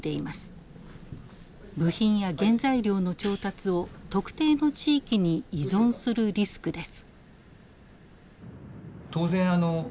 部品や原材料の調達を特定の地域に依存するリスクです。